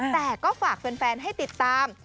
แต่ก็ฝากแฟนให้ติดตาม